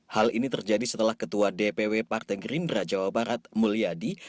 hal ini terjadi setelah ketua dpw partai gerindra jawa barat mulyadi